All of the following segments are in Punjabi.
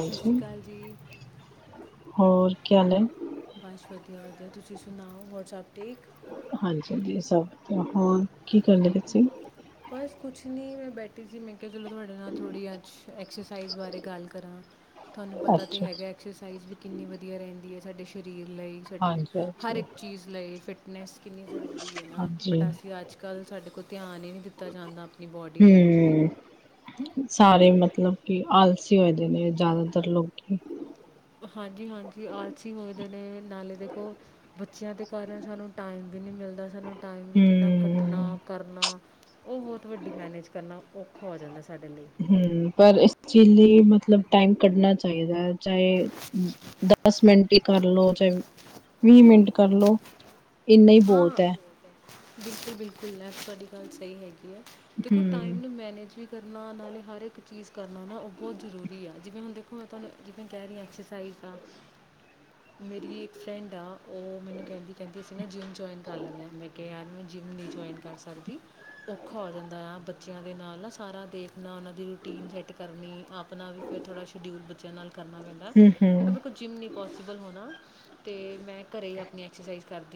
ਸਤਿ ਸ਼੍ਰੀ ਅਕਾਲ ਜੀ [inaudible] ਹੋਰ ਕੀ ਹਾਲ ਐ? ਪੰਜ ਫਤੇਹ ਹੋਰ ਦਾ ਤੁਸੀਂ ਸੁਨਾਓ, ਹੋਰ ਸਭ ਠੀਕ? ਹਾਂਜੀ ਜੀ ਸਭ ਹੋਰ ਕੀ ਕਰਦੇ ਪਏ ਸੀ? ਬਸ ਕੁਛ ਨਹੀਂ ਮੈਂ ਬੈਠੀ ਸੀ। ਮੈਂ ਕਿਹਾ ਚਲੋ ਤੁਹਾਡੇ ਨਾਲ ਥੋੜ੍ਹੀ ਅੱਜ ਐਕਸਰਸਾਈਜ਼ ਬਾਰੇ ਗੱਲ ਕਰਾਂ। ਤੁਹਾਨੂੰ ਪਤਾ ਤੇ ਅੱਛਾ ਹੈਗਾ ਐਕਸਰਸਾਈਜ਼ ਵੀ ਕਿੰਨੀ ਵਧੀਆ ਰਹਿੰਦੀ ਐ ਸਾਡੇ ਸ਼ਰੀਰ ਲਈ ਸਾਡੀ ਹਾਂਜੀ ਹਰ ਹਾਂਜੀ। ਇੱਕ ਚੀਜ਼ ਲਈ ਫਿੱਟ ਨੇਸ ਕਿੰਨੀ ਜ਼ਰੂਰੀ ਐ ਨਾ ਬਟ ਹਾਂਜੀ ਅਸੀਂ ਅੱਜ ਕੱਲ੍ਹ ਸਾਡੇ ਕੋਲ ਧਿਆਨ ਹੀ ਨਹੀਂ ਦਿੱਤ ਤਾ ਜਾਂਦਾ। ਹੂੰ। ਸਾਰੇ ਮਤਲਬ ਕਿ ਆਲਸੀ ਹੋਏ ਦੇ ਨੇ ਜ਼ਿਆਦਾਤਰ ਲੋਕੀ। ਹਾਂਜੀ-ਹਾਂਜੀ ਆਲਸੀ ਹੋਏ ਦੇ ਨੇ ਨਾਲੇ ਦੇਖੋ ਬੱਚਿਆਂ ਦੇ ਕਾਰਨ ਸਾਨੂੰ ਟਾਈਮ ਵੀ ਨਹੀਂ ਮਿਲਦਾ। ਸਾਨੂੰ ਟਾਈਮ ਵੀ ਕਿੰਨਾ ਕੱਟਣਾ ਹੂੰ ਕਰਨਾ ਉਹ ਬਹੁਤ ਵੱਡੀ ਮੈਨੇਜ ਕਰਨਾ ਔਖਾ ਹੋ ਜਾਂਦਾ ਸਾਡੇ ਲਈ। ਪਰ ਇਸ ਚੀਜ਼ ਲਈ ਮਤਲਬ ਟਾਈਮ ਕੱਢਣਾ ਚਾਹੀਦਾ ਐ। ਚਾਹੇ ਦਸ ਮਿੰਟ ਹੀ ਕਰ ਲਓ, ਚਾਹੇ ਵੀਹ ਮਿੰਟ ਕਰ ਲਓ। ਹਾਂ ਬਿਲਕੁਲ-ਬਿਲਕੁਲ [unintelligible] ਤੁਹਾਡੀ ਗੱਲ ਸਹੀ ਹੈਗੀ ਐ। ਦੇਖੋ ਹੂੰ ਟਾਈਮ ਨੂੰ ਮੈਨੇਜ ਵੀ ਕਰਨਾ ਨਾਲੇ ਹਰ ਇੱਕ ਚੀਜ਼ ਕਰਨਾ ਨਾ ਉਹ ਬਹੁਤ ਜ਼ਰੂਰੀ ਆ ਜਿਵੇਂ ਹੁਣ ਦੇਖੋ ਮੈਂ ਤੁਹਾਨੂੰ ਜਿਵੇਂ ਕਹਿ ਰਹੀ ਹਾਂ ਐਕਸਰਸਾਈਜ਼ ਆ। ਮੇਰੀ ਇੱਕ ਫਰੈਂਡ ਆ, ਉਹ ਮੈਨੂੰ ਕਹਿੰਦੀ ਕਹਿੰਦੀ ਸੀ ਨਾ ਜਿੰਮ ਜੁਆਇਨ ਕਰ ਲੈਂਦੇ ਆ, ਮੈਂ ਕਿਹਾ ਯਾਰ ਮੈਂ ਜਿੰਮ ਨਹੀਂ ਜੁਆਇਨ ਕਰ ਸਕਦੀ। ਔਖਾ ਹੋ ਜਾਂਦਾ ਆ ਬੱਚਿਆਂ ਦੇ ਨਾਲ ਨਾ ਸਾਰਾ ਦੇਖ ਆਪਣਾ ਉਹਨਾਂ ਦੀ ਰੂਟੀਨ ਸੈੱਟ ਕਰਨੀ ਆਪਣਾ ਵੀ ਫਿਰ ਥੋੜ੍ਹਾ ਸ਼ਡਿਊਲ ਬੱਚਿਆਂ ਨਾਲ ਕਰਨਾ ਪੈਂਦਾ। ਹੂੰ ਕਿਉਂਕਿ ਹੂੰ ਮੇਰੇ ਕੋਲ ਜਿੰਮ ਨਹੀਂ ਪੋਸੀਬਲ ਹੋਣਾ। ਅਤੇ ਮੈਂ ਘਰ ਹੀ ਆਪਣੀ ਐਕਸਰਸਾਈਜ਼ ਕਰਦੀ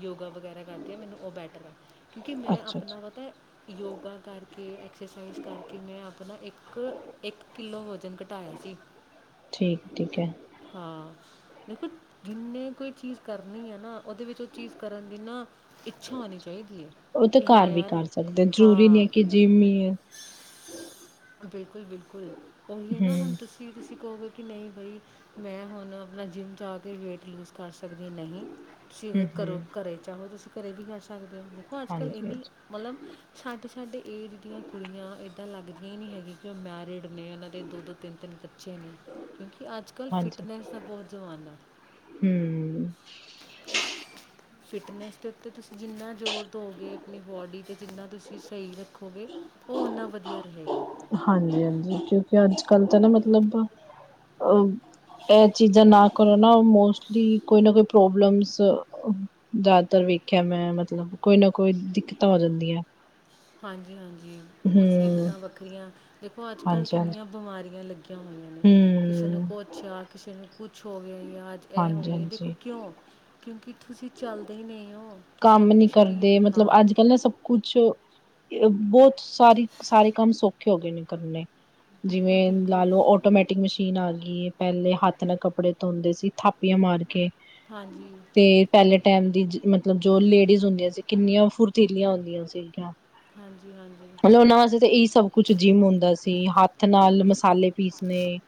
ਯੋਗਾ ਵਗੈਰਾ ਕਰਦੇ ਆ, ਮੈਨੂੰ ਉਹ ਬੈਟਰ ਆ। ਕਿਉਂਕਿ ਮੈਂ ਅੱਛਾ ਅੱਛਾ ਆਪਣਾ ਪਤਾ ਯੋਗਾ ਕਰਕੇ ਐਕਸਰਸਾਈਜ਼ ਕਰਕੇ ਮੈਂ ਆਪਣਾ ਇੱਕ ਇੱਕ ਕਿੱਲੋ ਵਜਨ ਘਟਾਇਆ ਸੀ ਠੀਕ ਠੀਕ ਹੈ ਹਾਂ। ਦੇਖੋ ਜਿੰਨੇ ਕੋਈ ਚੀਜ਼ ਕਰਨੀ ਐ ਨਾ ਉਹਦੇ ਵਿੱਚ ਚੀਜ਼ ਕਰਨ ਦੀ ਨਾ ਇੱਛਾ ਹੋਣੀ ਚਾਹੀਦੀ ਐ ਉਹ ਤਾਂ ਕਿ ਹਾਂ ਘਰ ਵੀ ਯਾਰ ਕਰ ਸਕਦੇ ਜ਼ਰੂਰੀ ਨਹੀਂ ਹੈ ਹਾਂ। ਕਿ ਜਿਮ ਹੀ ਹੈ ਬਿਲਕੁਲ ਬਿਲਕੁਲ ਉਹੀ ਐ ਨਾ ਹੁਣ ਹਮ ਤੁਸੀਂ ਤੁਸੀਂ ਕਹੋਗੇ ਕਿ ਨਹੀਂ ਬਈ ਮੈਂ ਹੁਣ ਆਪਣਾ ਜਿੰਮ ਜਾ ਆ ਕੇ ਵੇਟ ਲੂਜ ਕਰ ਸਕਦੀ ਨਹੀਂ ਤੁਸੀਂ ਹਮ ਅਗਰ ਘਰੋਂ ਹਮ ਘਰ ਚਾਹੋ ਤੁਸੀਂ ਘਰੇ ਵੀ ਕਰ ਸਕ ਦੇਖੋ ਅੱਜ ਕੱਲ ਹਾਂਜੀ ਇੰਨੀ ਮਤਲਬ ਸਾਡੇ ਸਾਡੇ ਏਜ ਦੀਆਂ ਕੁੜੀਆਂ ਏਦਾਂ ਲੱਗ ਇਹ ਨਹੀਂ ਹੈਗੀ ਕਿ ਉਹ ਮੈਰਿਡ ਨੇ ਉਹਨਾਂ ਦੇ ਦੋ-ਦੋ ਤਿੰਨ-ਤਿੰਨ ਬੱਚੇ ਨੇ। ਕਿਉਂਕਿ ਅੱਜ ਕੱਲ੍ਹ ਫਿਟਨੈਸ ਦਾ ਬਹੁਤ ਜ਼ਮਾਨਾ ਹੂੰ। ਫਿਟਨੈਸ ਦੇ ਉੱਤੇ ਤੁਸੀਂ ਜਿੰਨਾ ਜ਼ੋਰ ਦਉਗੇ, ਆਪਣੀ ਬੋਡੀ ਤੇ ਜਿੰਨਾ ਤੁਸੀਂ ਸਹੀ ਰੱਖੋਗੇ ਉਹ ਉਨਾ ਵਧੀਆ ਰਹੇਗਾ। ਹਾਂਜੀ ਹਾਂਜੀ ਕਿਉਂਕਿ ਅੱਜ ਕਲ ਤਾਂ ਨਾ ਮਤਲਬ ਅ ਇਹ ਚੀਜ਼ਾਂ ਨਾ ਕਰੋ ਨਾ ਮੋਸਟਲੀ ਕੋਈ ਨਾ ਕੋਈ ਪ੍ਰੋਬਲਮਸ ਜ਼ਿਆਦਾਤਰ ਵੇਖਿਆ ਮੈਂ ਮਤਲਬ ਕੋਈ ਨਾ ਕੋਈ ਦਿੱਕਤਾਂ ਹੋ ਜਾਂਦੀਆਂ। ਹਾਂਜੀ, ਹਾਂਜੀ। ਹਮ ਮੁਸੀਬਤਾਂ ਵੱਖਰੀਆਂ ਦੇਖੋ, ਅੱਜ ਕੱਲ੍ਹ ਹਾਂਜੀ ਹਾਂਜੀ ਕਿੰਨੀਆਂ ਬਿਮਾਰੀਆਂ ਲੱਗੀਆਂ ਹੋਈਆਂ ਨੇ, ਕਿਸੇ ਨੂੰ ਹਮ ਕੋਛ ਆ ਕਿਸੇ ਨੂੰ ਕੁਛ ਛ ਹੋ ਗਿਆ ਇਹ ਹਾਂਜੀ ਹੋਵੇ ਦੇਖੋ, ਹਾਂਜੀ ਕਿਉਂ ਕਿਉਂਕਿ ਤੁਸੀਂ ਚੱਲਦੇ ਹੀ ਨਹੀਂ ਹੋ। ਤੁਸੀਂ ਕੰਮ ਆਪਣੇ ਨੀ ਸਰੀਰ ਕਰਦੇ ਮਤਲਬ ਹਾਂ ਅੱਜ- ਕੱਲ੍ਹ ਨਾ, ਸਭ ਕੁਛ ਬਹੁਤ ਸਾਰੀ, ਸਾਰੇ ਕੰਮ ਸੌਖੇ ਹੋ ਗਏ ਨੇ ਕਰਨੇ। ਬਿਲਕੁਲ ਜਿਵੇਂ ਲਾ, ਬਿਲਕੁਲ ਲੋ ਆਟੋਮੈਟਿਕ ਮਸ਼ੀਨ ਆ ਗਈ। ਪਹਿਲੇ ਹੱਥ ਨਾਲ ਕੱਪੜੇ ਧੋਂਦੇ ਸੀ। ਥਾਪੀਆਂ ਮਾਰ ਕੇ ਹਾਂਜੀ ਤੇ ਪਹਿਲੇ ਟਾਈਮ ਦੀ ਮਤਲਬ ਜੋ, ਲੇਡੀਜ਼ ਹੁੰਦੀਆਂ ਸੀ ਕਿੰਨੀਆਂ ਫੁਰਤੀਲੀਆਂ ਹੁੰਦੀਆਂ ਸੀਗੀਆਂ ਹਾਂਜੀ ਹਾਂਜੀ ਮਤਲਬ ਉਹਨਾਂ ਵਾਸਤੇ ਤਾਂ, ਇਹੀ ਸਭ ਕੁਛ ਜਿੰਮ ਹੁੰਦਾ ਸੀ ਤੇ, ਹੱਥ ਨਾਲ ਮਸਾਲੇ ਪੀਸਣੇ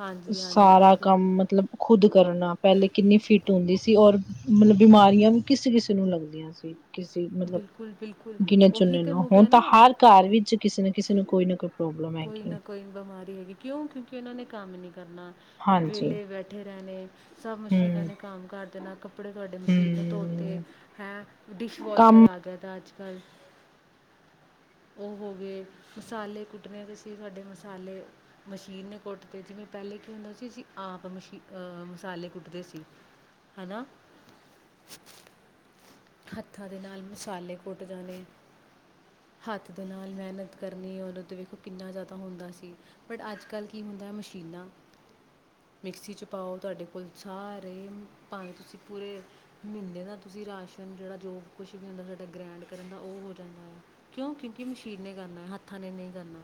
ਹਾਂਜੀ ਹਾਂਜੀ ਸਾਰਾ ਬਿਲਕੁਲ ਕੰਮ ਮਤਲਬ ਖੁਦ ਕਰਨਾ ਪਹਿਲੇ ਕਿੰਨੀ ਫਿਟ ਹੁੰਦੀ ਸੀ, ਔਰ ਮਤਲਬ ਬਿਮਾਰ ਨਿਯਮ ਕਿਸ ਕਿਸੇ ਨੂੰ ਲੱਗਦੀਆਂ ਸੀ। ਕਿਸੇ ਮਤਲਬ ਬਿਲਕੁਲ ਬਿਲਕੁਲ ਗਿਣੇ ਉਹੀ ਚੁੰਨੇ ਤੇ ਨੂੰ ਹੋ ਹੁਣ ਗਿਆ ਤਾਂ, ਨਾ ਹਰ ਘਰ ਵਿੱਚ ਕਿਸੇ ਨਾ ਕਿਸੇ ਨੂੰ, ਕੋਈ ਨਾ ਕੋਈ ਪ੍ਰੋਬਲਮ ਕੋਈ ਹੈਗੀ ਹੈ ਨਾ ਕੋਈ ਬਿਮਾਰੀ ਹੈਗੀ, ਕਿਉਂ ਕਿਉਂਕਿ ਉਹਨਾਂ ਨੇ ਕੰਮ ਨੀ ਕਰਨਾ। ਹਾਂਜੀ ਵੇਲੇ ਬੈਠੇ। ਜਾ, ਨੇ ਸਭ ਮਸ਼ੀਨਾਂ ਹਮ ਨੇ, ਕੰਮ ਕਰਦੇਣਾ ਕੱਪੜੇ ਤੁਹਾਡੇ ਮਸ਼ੀਨ ਨੇ, ਧੋਡੇ ਹਮ ਹੈਂ ਡਿਸ਼ਵਾਸ਼ਰ ਕੰਮ ਆ ਗਿਆ, ਤਾਂ ਅੱਜ ਗਲ ਉਹ ਹੋ ਗਏ ਮਸਾਲੇ ਕੁੱਟਣੇ ਤੇ ਸੀ, ਸਾਡੇ ਮਸਾਲੇ ਮਸ਼ੀਨ ਨੇ ਕੁੱਟਦੇ ਜਿਵੇਂ ਪਹਿਲੇ ਕੀ ਹੁੰਦਾ ਸੀ, ਅਸੀਂ ਆਪ ਮਸ਼ੀ ਅਹ ਮਸਾਲੇ ਕੁੱਟਦੇ ਸੀ। ਹੈਨਾ ਹੱਥਾਂ ਦੇ ਨਾਲ ਮਸਾਲੇ ਕੁੱਟ ਜਾਣੇ ਹੱਥ ਦੇ ਨਾਲ ਮਿਹਨਤ ਕਰਨੀ ਦੇ, ਤੇ ਵੇਖੋ ਕਿੰਨਾ ਜ਼ਿਆਦਾ ਹੁੰਦਾ ਸੀ, ਬਟ ਅੱਜ ਕੱਲ੍ਹ ਕੀ ਹੁੰਦਾ ਹੈ ਮਸ਼ੀਨਾਂ ਮਿਕਸੀ ਚ ਪਾਓ, ਤੁਹਾਡੇ ਕੋਲ ਸਾਰੇ ਭਾਵੇਂ ਤੁਸੀਂ ਪੂਰੇ ਮਹੀਨੇ ਦਾ ਤੁਸੀਂ ਰਾਸ਼ ਜਿਹੜਾ ਜੋ ਕੁਛ ਵੀ ਹੁੰਦਾ ਸਾਡਾ ਗ੍ਰੈਂਡ ਕਰਨ ਦਾ ਉਹ ਹੋ ਜਾਂਦਾ ਹੈ, ਕਿਉਂ ਕਿਉਂਕਿ ਮਸ਼ੀਨ ਨੇ ਕਰਨਾ ਹੱਥਾਂ ਨੇ ਨਹੀਂ ਕਰਨਾ।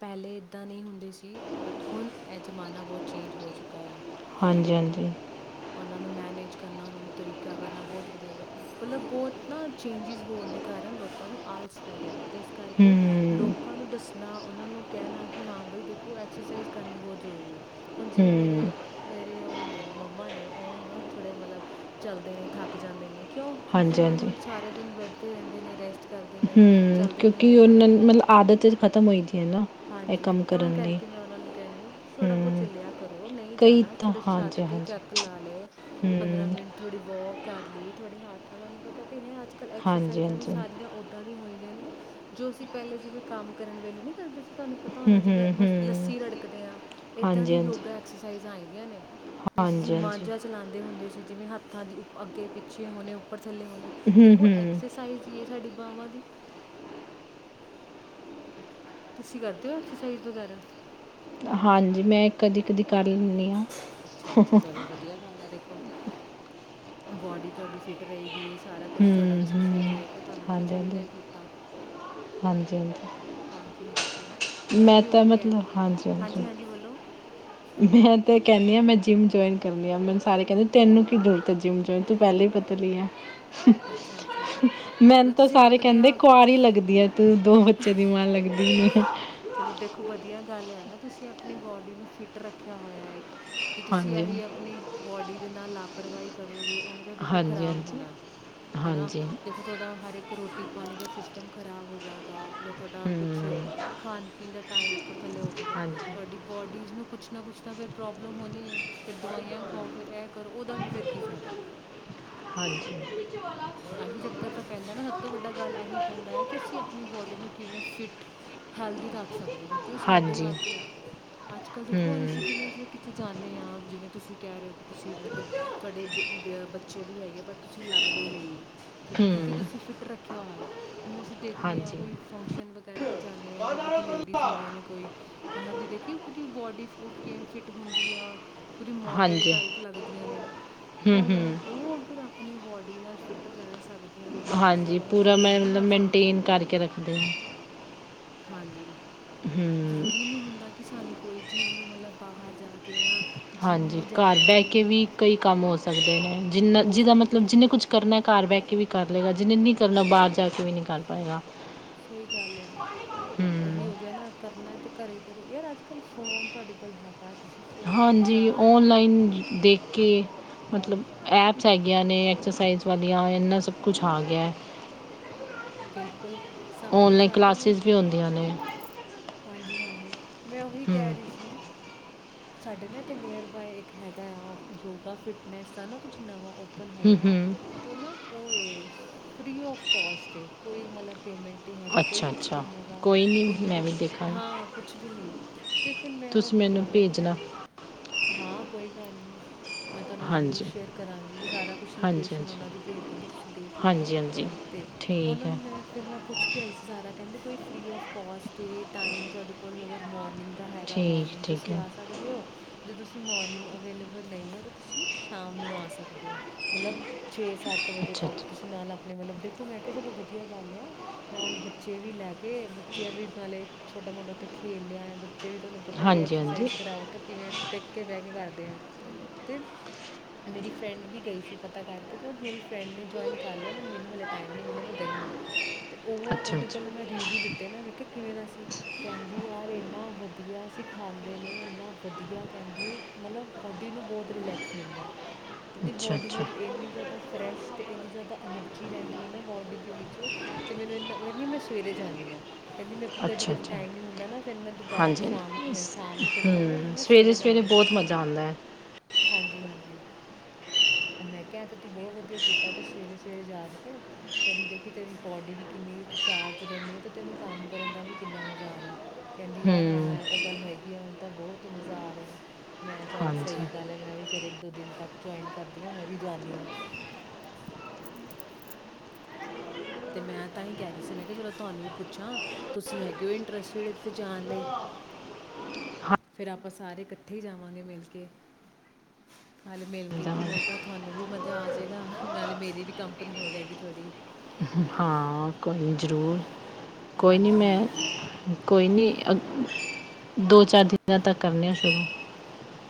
ਪਹਿਲੇ ਇੱਦਾਂ ਨਹੀਂ ਹੁੰਦੇ ਸੀ, ਬਟ ਹੁਣ ਇਹ ਜ਼ਮਾਨਾ ਬਹੁਤ ਚੇਂਜ ਹੋ ਚੁੱਕਾ ਆ। ਹਾਂਜੀ। ਹਾਂਜੀ। ਉਹਨਾਂ ਨੂੰ ਮੈਨੇਜ ਕਰਨਾ, ਉਹਨਾਂ ਨੂੰ ਤਰੀਕਾ ਕਰਨਾ ਬਹੁਤ ਵਧੀਆ, ਮਤਲਬ ਬਹੁਤ ਨਾ ਚੇਂਜਿਸ ਹੋਣ ਦੇ ਕਾਰਨ ਲੋਕਾਂ ਨੂੰ ਆਲਸ ਪੈ ਗਿਆ। ਅਤੇ ਇਸ ਕਰਕੇ ਲੋਕ ਹੂੰ ਲੋਕਾਂ ਨੂੰ ਦੱਸਣਾ ਉਹਨਾਂ ਨੂੰ ਕਹਿਣਾ ਕਿ ਹਾਂ ਬਾਈ ਦੇਖੋ, ਐਕਸਰਸਾਈਜ਼ ਕਰਨੀ ਬਹੁਤ ਜ਼ਰੂਰੀ ਆ। ਹੁਣ, ਜਿਵੇਂ ਹੂੰ ਮੇਰੇ ਉਹ ਨੇ, ਮੰਮਾ ਨੇ ਅਤੇ, ਉਹ ਨਾ ਥੋੜ੍ਹੇ ਮਤਲਬ ਚੱਲਦੇ ਨੇ ਥੱਕ ਜਾਂਦੇ ਨੇ। ਕਿਉਂ ਕਿਂ ਕਿ ਹਾਂਜੀ ਉਹਨਾਂ ਨੂੰ ਹੁਣ ਸਾਰੇ ਦਿਨ ਬੈਠਦੇ ਰਹਿੰਦੇ। ਨੇ ਰੈਸਟ ਕਰਦੇ ਨੇ ਹਮ ਚਲਦੇ ਨਹੀਂ ਕਿਉਂਕਿ ਹੈਗੇ ਉਹਨਾਂ ਮਤਲਬ ਆਦਤ ਖਤਮ ਹੋਈ ਸੀ ਹਾਂਜੀ ਤਾਂ ਕਰਕੇ ਮੈਂ ਉਹਨਾਂ ਨੂੰ ਕਹਿੰਦੀ ਹਾਂ ਕਿ ਤੁਸੀ ਥੋੜ੍ਹਾ ਬਹੁਤ ਹੂੰ ਚੱਲਿਆ ਕਰੋ ਨਹੀਂ ਕਈ ਜਾਣਾ ਤਾਂ ਥੋੜੇ ਛੱਤ ਹਾਂਜੀ ਤੇ ਹਾਂਜੀ ਚੈੱਕ ਲਾ ਲਏ ਪੰਦਰਾਂ ਹੂੰ ਮਿੰਟ ਥੋੜ੍ਹੀ ਵੋਕ ਕਰ ਲਈ ਥੋੜੇ ਹਾਥ ਤਾਂ ਤੁਹਾਨੂੰ ਪਤਾ ਤਨੇ ਹ ਅੱਜ ਕੱਲ੍ਹ ਹਾਂਜੀ ਐਕਸਰਸਾਈਜ਼ਾਂ ਵੀ ਹਾਂਜੀ ਸਾਰੀਆਂ ਉੱਦਾਂ ਦੀਆਂ ਹੋਈਆਂ ਨੇ ਜੋ ਅਸੀਂ ਪਹਿਲੇ ਜਿਵੇਂ ਕੰਮ ਕਰਨ ਵੇਲੇ ਨੀ ਕਰਦੇ ਤੁਹਾਨੂੰ ਪਤਾ ਹੋਣਾ ਹੂੰ ਜਿਵੇਂ ਹੂੰ ਹੂੰ ਲੱਸੀ ਰੜਕਦੇ ਹਾਂ ਇੱਦਾਂ ਦੀ ਹਾਂਜੀ ਹਾਂਜੀ ਯੋਗਾ ਐਕਸਰਸਾਈਜ਼ਾਂ ਆਈਦੀਆਂ ਨੇ ਜਿਸ ਅਸੀਂ ਹਾਂਜੀ ਹਾਂਜੀ ਮਾਂਝਾ ਚਲਾਉਂਦੇ ਹੁੰਦੇ ਸੀ ਜਿਵੇਂ ਹੱਥਾਂ ਦੀ ਅੱਗੇ ਪਿੱਛੇ ਹੋਣੇ ਉੱਪਰ ਥੱਲੇ ਪਣੇ ਹੂੰ ਦੇਖੋ ਹੂੰ ਐਕਸਰਸਾਈਜ਼ ਜ ਸਾਡੀ ਬਾਵਾਂ ਦੀ ਤੁਸੀਂ ਕਰਦੇ ਹੋ ਐਕਸਰਸਾਈਜ਼ ਵਗੈਰਾ ਹਾਂਜੀ ਮੈਂ ਕਦੀ ਕਦੀ ਕਰ ਲੈਂਦੀ ਹਾਂ ਅੱਛਾ ਅੱਛਾ ਚਲੋ ਵਧੀਆ ਗੱਲ ਆ ਦੇਖੋ ਥੋੜੀ ਤੁਹਾਡੀ ਫਿਟ ਰਹੇਗੀ ਸਾਰਾ ਕੁਛ ਹੂੰ ਤੁਹਾਡਾ ਹੂੰ ਅੱਛਾ ਸਹੀ ਰਹੇਗਾ ਤੁਹਾਨੂੰ ਕੀ ਹਾਂਜੀ ਚਾਹੀਦਾ ਹਾਂਜੀ ਹੈ ਫਿਰ ਤਾਂ ਹਾਂਜੀ ਹਾਂਜੀ ਹਾਂਜੀ ਹਾਂਜੀ ਮੈਂ ਵੀ ਉਹੀ ਕਹਿ ਹਾਂਜੀ ਹਾਂਜੀ ਬੋਲੋ ਮੈਂ ਤੇ ਕਹਿੰਦੀ ਆ ਮੈਂ ਜਿੰਮ ਜਆਇਨ ਕਰਨੀ ਆ ਮੈਨੂੰ ਸਾਰੇ ਕਹਿੰਦੀ ਤੈਨੂ ਕੀ ਜਰੂਰਤ ਹੈ ਤੂੰ ਤੇ ਪਹਿਲਾਂ ਹੀ ਪਤਲੀ ਹੈ ਅੱਛਾ ਅੱਛਾ ਮੈਨੂੰ ਮਤਲਬ ਤਾਂ ਤੁਸੀਂ ਸਾਰੇ ਆਪਣੇ ਕਹਿੰਦੇ ਆਪ ਕੁਆਰੀ ਲੱਗਦੀ ਹੈ ਤੂੰ ਦੋ ਬੱਚੇ ਦੀ ਮਾਂ ਲੱਗਦੀ ਹ ਚਲੋ ਦੇਖੋ ਵਧੀਆ ਗੱਲ ਆ ਨਾ ਤੁਸੀਂ ਆਪਣੀ ਬੋਡੀ ਨੂੰ ਫਿੱਟ ਰੱਖਿਆ ਹੋਇਆ ਇੱਕ ਤੇ ਤੁਸੀਂ ਹਾਂਜੀ ਇਹੀ ਆਪਣੀ ਬੋਡੀ ਦੇ ਨਾਲ ਲਾਪਰਵਾਹੀ ਕਰੋਗੇ ਉਹਨੇ ਤਾਂ ਦੇਖੋ ਹਾਂਜੀ ਖ਼ਰਾਬ ਹੋਣਾ ਹੈ ਨਾ ਹਾਂਜੀ ਹਾਂਜੀ ਦੇਖੋ ਤੁਹਾਡਾ ਹਰ ਇੱਕ ਰੋਟੀ ਪਾਣੀ ਦਾ ਸਿਸਟਮ ਖਰਾਬ ਹੋ ਜਾਏਗਾ ਤੁਹਾਡਾ ਕੁਛ ਹੂੰ ਮੀ ਦੇ ਟਾਈਮੱਪ ਥੱਲੇ ਹੋ ਜਾਵੇਗਾ ਹਾਂਜੀ ਤੁਹਾਡੀ ਬੋਡੀਜ਼ ਨੂੰ ਕੁਛ ਨਾ ਕੁਛ ਤਾਂ ਫ ਪ੍ਰੋਬਲਮ ਹੋਣੀ ਹੈ ਫਿਰ ਦਵਾਈਆਂ ਖਾਓ ਫਿਰ ਇਹ ਕਰੋ ਉਹਦਾ ਵੀ ਫਿਰ ਕੀ ਫਾਇਦਾ ਹਾਂਜੀ ਕਹੀ ਚੱਕਰ ਤਾਂ ਪੈਂਦਾ ਨਾ ਸਭ ਤੋਂ ਵੱਡਾ ਗੱਲ ਇਹੀ ਪੈਂਦਾ ਹੈ ਕਿ ਅਸੀਂ ਆਪਣੀ ਬੋਡੀ ਨੂੰ ਕਿਵੇਂ ਫਿਟ ਹੈਲ ਰੱਖ ਸਕਦੇ ਕਿਉਂਕਿ ਉਹ ਸਾਡੇ ਹਾਂਜੀ ਹਾਂਜੀ ਹੱਥ ਹੀ ਆ ਅੱਜ ਕੱਲ ਦੇਖੋ ਹੁਣ ਅਸੀਂ ਹੂੰ ਜਿਵੇਂ ਅਸੀਂ ਜਾਂਦੇ ਹਾਂ ਜਿਵੇਂ ਤੁਸੀਂ ਕਹਿ ਰਹੇ ਹੋ ਕਿ ਤੁਸੀਂ ਦੇਖੋ ਤੁਹਾਡੇ ਬੱਚੇ ਵੀ ਹੈਗੇ ਬਟ ਤੁਸੀਂ ਅਲੱਗ ਦੇ ਨਹੀਂ ਠੀਕ ਹੈ ਕਿਉਂਕਿ ਹੂੰ ਤੁਸੀਂ ਫਿੱਟ ਰੱਖਿਆ ਹੋਇਆ ਜਿਵੇਂ ਅਸੀਂ ਦੇਖਦੇ ਹਾਂ ਹਾਂਜੀ ਕੋਈ ਫੰਕਸ਼ਨ ਵਗੈਰਾ 'ਤੇ ਜਾਂਦੇ ਹਾਂ ਜਿਵੇਂ ਉੱਥੇ ਲੇਡੀਜ਼ ਹੁੰਦੀਆਂ ਨੇ ਕੋਈ ਉਹਨਾਂ ਦੀ ਦੇਖੀਏ ਉਹਦੀ ਬੋਡੀ ਉਹ ਕਿਵੇਂ ਫਿੱਟ ਹੁੰਦੀ ਆ ਪੂਰੀ ਮੋਡਲ ਹਾਂਜੀ ਟਾਈਪ ਲੱਗਦੀਆਂ ਨੇ ਦੇਖੋ ਹੂੰ ਉਹਨਾਂ ਨੇ ਹੂੰ ਉਹ ਅਗ ਆਪਣੇ ਵਾਰਡ ਨਾਲ ਫਿੱਟ ਰਹਿ ਸਾਡੇ ਹਾਂਜੀ ਪੂਰਾ ਮੈਂ ਮਤਲਬ ਮੇਨਟੇਨ ਕਰਕੇ ਰੱਖਦੀ ਹਾਂ ਹਾਂਜੀ ਹੂੰ ਜ਼ਰੂਰੀ ਨਹੀ ਹੁੰਦਾ ਕਿ ਸਾਨੂੰ ਕੋਈ ਚੀਜ਼ ਮਤਲਬ ਬਾਹਰ ਜਾ ਕੇ ਜਾਂ ਹਾਂਜੀ ਜਿਮ ਜਾ ਘਰ ਜਾ ਬਹਿ ਕੇ ਇਹ ਵੀ ਚੀਜ਼ ਕਈ ਕੰਮ ਹੋ ਸਕਦੇ ਹੈ ਜਿੰਨਾ ਹੋ ਜਿਹਦਾ ਸਕਦੇ ਮਤਲਬ ਨੇ ਜਿੰਹਨੇ ਕੁਝ ਕਰਨਾ ਘਰ ਬਹਿ ਕੇ ਵੀ ਕਰ ਕਰਨਾ ਜਿਹਨੇ ਨੀ ਕਰਨਾ ਬਾਹਰ ਜਾ ਕੇ ਵੀ ਨੀ ਕਰ ਪਾਏਗਾ ਸਹੀ ਗੱਲ ਆ ਉਹੀ ਹੂੰ, ਹੋ ਗਿਆ ਨਾ ਕਰਨਾ ਤੇ ਘਰੇ ਕਰੋ ਯਾਰ ਅੱਜ ਕੱਲ੍ਹ ਫੋਨ ਤੁਹਾਡੇ ਕੋਲ ਹੈਗਾ ਤੁਸੀਂ ਫੋਨ ਤੇ ਹਾਂਜੀ ਹਜ਼ਾਰ ਔਨਲਾਈਨ ਦੇਖ ਕੇ ਮਤਲਬ ਐਪਸ ਹੈਗੀਆਂ ਨੇ ਐਕਸਰਸਾਈਜ਼ ਵਾਲੀਆਂ ਇੰਨਾ ਸਭ ਕੁਛ ਆ ਗਿਆ ਬਿਲਕੁਲ ਸਭ ਕੁਝ ਔਨਲਾਈਨ ਆ ਗਿਆ ਹੁਣ ਕਲਾਸਿਸ ਵੀ ਹੁੰਦੀਆਂ ਨੇ ਹਾਂਜੀ ਹਾਂਜੀ ਮੈਂ ਉਹੀ ਕਹਿ ਹੂੰ, ਰਹੀ ਸੀ ਸਾਡੇ ਨੇ ਤੇ ਨੀਅਰ ਬਾਏ ਇੱਕ ਹੈਗਾ ਆ ਯੋਗਾ ਫਿਟਨੈਸ ਸਾਰਾ ਕੁਛ ਨਵਾਂ ਓਪਨ ਹੂੰ, ਹੋਇਆ ਹੂੰ, ਅਤੇ ਉਹ ਨਾ ਉਹ ਇਹ ਫ੍ਰੀ ਆਫ ਕਸਟ ਕੋਈ ਮਤਲਬ ਪੇਮੈਂਟ ਹੈਗੀ ਕੋਈ ਕੁਛ ਨੀ ਅੱਛਾ-ਅੱਛਾ, ਹੈਗਾ ਕੋਈ ਨਹੀਂ ਇੰਨੀ ਮੈਂ ਵੀ ਵਧੀਆ ਦੇਖਾਂਗੀ, ਹਾਂ ਕੁਛ ਵੀ ਨਹੀ ਤੇ ਫਿਰ ਮੈਂ ਤੁਸੀਂ ਉਹੀ ਕਿਹਾ ਮੈਨੂੰ ਮੈਂ ਭੇਜਣਾ, ਕਿਹਾ ਹਾਂ ਕੋਈ ਗੱਲ ਨਹੀਂ ਮੈਂ ਤੁਹਾਨੂੰ ਜ਼ਰੂਰ ਹਾਂਜੀ, ਸ਼ੇਅਰ ਕਰਾਂਗੀ ਕਿ ਸਾਰਾ ਕੁਛ ਹਾਂਜੀ, ਲੋਕੇਸ਼ਨ ਹਾਂਜੀ, ਉਹਨਾਂ ਦੀ ਭੇਜ ਦੂੰਗੀ ਤੁਸੀਂ ਦੇਖ ਲੈਣਾ ਹਾਂਜੀ, ਹਾਂਜੀ, ਅਤੇ ਠੀਕ ਉਹਨਾਂ ਹੈ, ਨੂੰ ਮੈਂ ਫਿਰ ਮੈਂ ਪੁੱਛ ਕੇ ਆਈ ਸੀ ਸਾਰਾ ਕਹਿੰਦੇ ਕੋਈ ਫਰੀ ਆਫ ਕੋਸਟ ਏ ਟਾਈਮ ਤੁਹਾਡੇ ਕੋਲ ਅਗਰ ਮੋਰਨਿੰਗ ਦਾ ਹੈਗਾ ਠੀਕ, ਮੋਰਨਿੰਗ ਠੀਕ ਤੁਸੀਂ ਹੈ, ਆ ਸਕਦੇ ਹੋ ਜੇ ਤੁਸੀਂ ਮੋਰਨਿੰਗ ਅਵੇਲੇਬਲ ਨਹੀਂ ਹੋ ਤਾਂ ਤੁਸੀਂ ਸ਼ਾਮ ਨੂੰ ਆ ਸਕਦੇ ਹੋ ਮਤਲਬ ਛੇ ਸੱਤ ਅੱਠ ਵਜੇ ਤੱਕ ਅੱਛਾ-ਅੱਛਾ। ਤੁਸੀਂ ਨਾਲ ਆਪਣੇ ਮਤਲਬ ਦੇਖੋ ਮੈਂ ਚਲੋ ਵਧੀਆ ਗੱਲ ਆ ਨਾਲ ਬੱਚੇ ਵੀ ਲੈ ਕੇ ਬੱਚਿਆਂ ਵੀ ਨਾਲੇ ਛੋਟਾ ਮੋਟਾ ਉੱਥੇ ਖੇਲ ਲਿਆ ਆ ਬੇ ਵੀ ਤੁਹਾਨੂੰ ਪਤਾ ਹੀ ਹਾਂਜੀ ਹਾਂਜੀ ਐਕਸਰਸਾਈਜ਼ ਕਰਾਓ ਤਾਂ ਕਿਵੇਂ ਟੇ ਬਹਿ ਕੇ ਕਰਦੇ ਤੇ ਮੇਰੀ ਫਰੈਂਡ ਵੀ ਗਈ ਸੀ ਪਤਾ ਕਰਕੇ ਤੇ ਮੇਰੀ ਫਰੈਂਡ ਨੇ ਜੁਆਇਨ ਕਰ ਲਿਆ ਬ ਮੈਨੂੰ ਹਲੇ ਟਾਈਮ ਨ ਵੇਲੇ ਮੈਂ ਗਈ ਨਹੀਂ ਅਤੇ ਉਹ ਅੱਛਾ ਉਹਦੇ ਅੱਛਾ ਕੋਲ ਮੈਂ ਰਿਵਿਊ ਲਿੱਤਾ ਤੇ ਨਾ ਮੇ ਕਿਹਾ ਕਿਵੇਂ ਦਾ ਸੀ ਕਹਿੰਦੀ ਯਾਰ ਇੰਨਾ ਵਧੀਆ ਸਿਖਾਂਦੇ ਨੇ ਇੰਨਾ ਵਧੀਆ ਕਹਿੰਦੀ ਮਤਲਬ ਬੋਡੀ ਨੂੰ ਬਹੁਤ ਰਿਲੈਕਸ ਮਿਲਦਾ। ਕਹਿੰਦੀ ਅੱਛਾ ਬਾਡੀ ਅੱਛਾ ਮੇਰੀ ਇੰਨੀ ਜ਼ਿਆਦਾ ਫਰੈਸ਼ ਅਤੇ ਇੰਨੀ ਜ਼ਿਆਦਾ ਐਨਰਜੀ ਰਹਿੰਦੀ ਹੈ ਨਾ। ਬੋਡੀ ਦੇ ਵਿੱਚ ਤੇ ਮੈਨੂੰ ਇੰਨਾ ਕਹਿੰਦੀ ਮੈਂ ਸਵੇਰੇ ਜਾਨੀ ਆ ਕਹਿੰਦੀ ਮੇਰੇ ਕੋ ਅੱਛਾ ਕਦੀਕਦੀ ਅੱਛਾ ਟਾਈਮ ਨਹੀਂ ਹੁੰਦਾ ਨਾ ਫਿਰ ਮੈਂ ਦੁਪਹਿਰ ਹਾਂਜੀ ਸ਼ਾਮ ਅ, ਸ਼ਾਮ ਨੂੰ ਚਲੇ ਜਾਂਦੀ ਹਾਂ ਬਟ ਹਮ ਮੈਂ ਸਵੇਰੇ ਸਵੇਰੇ ਬਹੁਤ ਮਜ਼ਾ ਆਂਦਾ। ਹਾਂਜੀ-ਹਾਂਜੀ ਮੈਂ ਕਿਹਾ ਏ ਤੂੰ ਬਹੁਤ ਵਧੀਆ ਕੀਤਾ ਤੂੰ ਸਵੇਰੇ ਸਵੇਰੇ ਜਾ ਰਹੀ ਏ। ਤੈਨੂੰ ਦੇਖੀ ਤੇਰੀ ਬੋਡੀ ਵੀ ਕਿੰਨੀ ਚਾਰਜ ਰਹਿੰਦੀ ਹੈ ਤੇ ਤੈਨੂੰ ਕੰਮ ਕਰਨ ਦਾ ਵੀ ਕਿੰਨਾ ਮਜ਼ਾ ਆਉਣਾ ਕਹਿੰਦੀ ਯਾਰ ਹਾਂ ਹੂੰ ਇਹ ਤਾਂ ਗੱਲ ਹੈਗੀ ਆ ਮੈਨੂੰ ਤਾਂ ਬਹੁਤ ਮਜ਼ਾ ਆ ਰਿਹਾ ਮੈਂ ਚੱਲ ਸਹੀ ਹਾਂਜੀ ਗੱਲ ਹੈ ਮੈਂ ਵੀ ਫਿਰ ਇੱਕ ਦੋ ਦਿਨ ਤੱਕ ਜੁਆਇਨ ਕਰਦੀ ਹਾਂ ਮੈਂ ਵੀ ਜਾਨੀ ਹਾਂ। ਤੇ ਮੈਂ ਤਾਂ ਹੀ ਕਹਿ ਰਹੀ ਸੀ ਮੈਂ ਕਿਹਾ ਚਲੋ ਤੁਹਾਨੂੰ ਵੀ ਪੁੱਛਾਂ ਤੁਸੀਂ ਹੈਗੇ ਹੋ ਇੰਟਰਸਟਿਡ ਇੱਥੇ ਜਾਣ ਲਈ, ਹਾਂ ਫੇਰ ਆਪਾਂ ਸਾਰੇ ਇਕੱਠੇ ਜਾਵਾਂਗੇ ਮਿਲ ਕੇ, ਹੱਲੇ ਮਿਲ ਕੇ ਆਉਂਦਾ ਕੀ ਹੋਏਗਾ ਵਾ। ਤੁਹਾਨੂੰ ਵੀ ਮਜ਼ਾ ਆ ਜਾਏਗਾ ਨਾਲੇ ਮੇਰੀ ਵੀ ਕੰਪਨੀ ਹੋ ਜਾਏਗੀ ਥੋਡੀ। ਹਾਂ ਕੋਈ ਨੀ ਜ਼ਰੂਰ। ਕੋਈ ਨੀ ਹਾਂਜੀ ਮੈਂ ਹਾਂਜੀ ਕੋਈ ਨੀ ਅ ਦੋ-ਚਾਰ ਦਿਨਾਂ ਤੱਕ ਕਰਨੇ ਆ ਸ਼ੁਰੂ।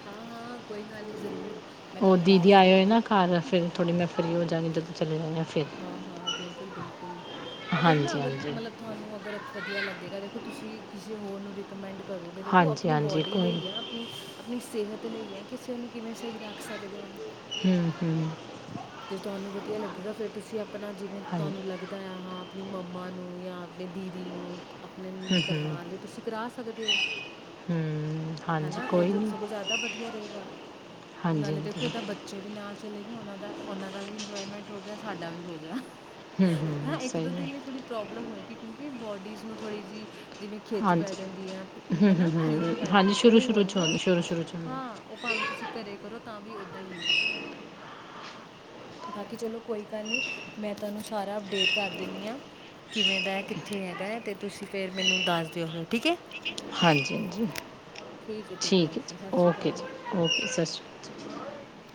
ਹਾਂ-ਹਾਂ ਕੋਈ ਗੱਲ ਨਹੀਂ ਜ਼ਰੂਰ। ਮੈਂ ਉਹ ਤੁਹਾਨੂੰ ਦੀਦੀ ਦੱਸ ਆਏ ਦਾਂਗੀ ਹੋਏ ਕਿ ਨਾ ਘਰ ਫ਼ਿਰ ਥੋੜੀ ਮੈਂ ਫਰੀ ਹੋ ਜਾਗੀ ਜਦ ਹਾਂ-ਹਾਂ ਬਿਲਕੁਲ-ਬਿਲਕੁਲ। ਤੇ ਉਹ ਦੇਖ ਨਾ ਹਾਂਜੀ ਅਗਰ ਹਾਂਜੀ ਮਤਲਬ ਤੁਹਾਨੂੰ ਅਗਰ ਵਧੀਆ ਲੱਗੇਗਾ ਦੇਖੋ ਤੁਸੀਂ ਕਿਸੇ ਹੋਰ ਨੂੰ ਰਿਕਮੈਂਡ ਕਰੋਗੇ ਦੇਖੋ ਹਾਂਜੀ ਆਪਣੀ ਹਾਂਜੀ ਬੋਡੀ ਕੋਈ ਨੀ। ਲਈ ਆ ਆਪਣੀ ਅਪਨੀ ਸਿਹਤ ਲਈ ਹੈ ਕਿਸੇ ਉਹਨੂੰ ਕਿਵੇਂ ਸਹੀ ਰੱਖ ਸਕਦੇ ਆ। ਹਮ ਹਮ ਜੇ ਤੁਹਾਨੂੰ ਵਧੀਆ ਲੱਗੇਗਾ ਫੇਰ ਤੁਸੀਂ ਆਪਣਾ ਜਿਵੇਂ ਹਾਂਜੀ ਤੁਹਾਨੂੰ ਲੱਗਦਾ ਆ ਹਾਂ ਆਪਣੀ ਮੰਮਾ ਨੂੰ ਜਾਂ ਆਪਣੇ ਦੀਦੀ ਨੂੰ ਆਪਣੇ ਹੂੰ ਹੂੰ ਕਰਵਾਉਣ ਲਈ ਤੁਸੀਂ ਕਰਾ ਸਕਦੇ ਹੋ ਹੂੰ ਹਾਂਜੀ ਹਨਾ ਉਹ ਕੋਈ ਨਹੀਂ ਸਗੋਂ ਜਾਦਾ ਵਧੀਆ ਰਹੇਗਾ ਹਾਂਜੀ ਨਾਲੇ ਦੇਖੋ ਹਾਂਜੀ ਏਦਾਂ ਬੱਚੇ ਵੀ ਨਾਲ ਚਲੇ ਉਹਨਾਂ ਦਾ ਉਹਨਾਂ ਦਾ ਵੀ ਇੰਜੋਏਮੈਂਟ ਹੋ ਗਿਆ ਸਾਡਾ ਵੀ ਹੋ ਗਿਆ। ਹੂੰ ਹ ਹੂੰ ਇੱਕ ਸਹੀ ਦੋ ਹੈ ਦਿਨ ਲਈ ਥੋੜੀ ਪ੍ਰੋਬਲਮ ਹੋਏਗੀ ਕਿਉਂਕਿ ਬੋਡੀਜ਼ ਨੂੰ ਥੋੜ੍ਹੀ ਜਿਹੀ ਜਿਵੇਂ ਖਿੱਚ ਪੈ ਹਾਂਜੀ ਜਾਂਦੀ ਆ ਹੂੰ ਹੈ ਨਾ ਹੂੰ ਖਲੀਆਂ ਹੂੰ ਪੈ ਹਾਂਜੀ ਜਾਂਦੀਆਂ ਸ਼ੁਰੂ ਉਹ ਸ਼ੁਰੂ 'ਚ ਹੋਣਗੀਆਂ ਹੁੰਦੀ ਸ਼ੁਰੂ ਸ਼ੁਰੂ 'ਚ ਹੁੰਦੀ ਹਾਂ ਉਹ ਭਾਵੇਂ ਤੁਸੀਂ ਘਰੇ ਕਰੋ ਤਾਂ ਵੀ ਓਦਾਂ ਹੀ ਹੁੰਦਾ ਆ। ਬਾਕੀ ਚਲੋ ਕੋਈ ਗੱਲ ਨੀ ਮੈਂ ਤੁਹਾਨੂੰ ਸਾਰਾ ਅਪਡੇਟ ਦੀਨੀ ਆ ਕਿਵੇਂ ਦਾ ਕਿੱਥੇ ਹੈਗਾ ਹੈ ਤੇ ਤੁਸੀਂ ਫੇਰ ਮੈਨੂੰ ਦੱਸ ਦਿਓ ਫਿਰ ਠੀਕ ਹੈ। ਹਾਂਜੀ-ਹਾਂਜੀ ਠੀਕ ਹੈ ਜੀ ਓਕੇ ਜੀ ਓਕੇ ਸਤਿ ਸ਼੍ਰੀ ਅਕਾਲ ਜੀ।